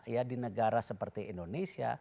ya di negara seperti indonesia